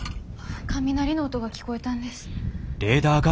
雷の音が聞こえたんです。